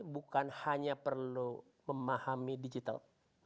bukan hanya perlu memahami digital